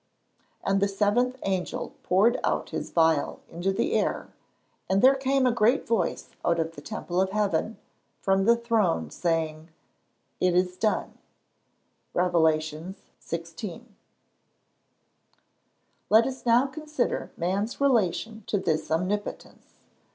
[Verse: "And the seventh angel poured out his vial into the air; and there came a great voice out of the temple of heaven, from the throne, saying, It is done." REV. XVI.] Let us now consider man's relation to this Omnipotence.